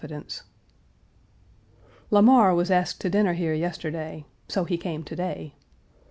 Page 279 Lamar was asked to dinner here yesterday; so he came to day.